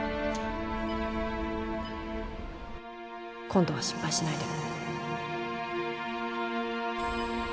今度は失敗しないで。